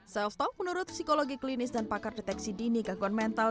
self top menurut psikologi klinis dan pakar deteksi dini gaguan mental